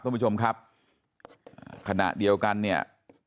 ท่านผู้ชมครับขณะเดียวกันเนี่ย